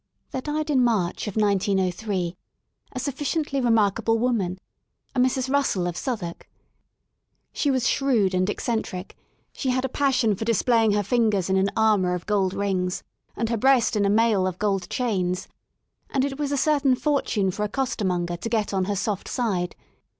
There died in March of 1903 a sufficiently remarkable woman, a Mrs, Russell of Southwark. She was shrewd and eccentric, she had a passion for displaying her fingers in an armour of gold rings, and her breast in 97 H THE SOUL OF LONDON a mail of gold chains, and it was a certain fortune for a costermonger to get on her soft side.